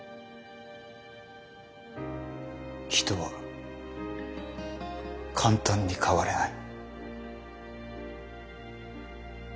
人は簡単に変われない。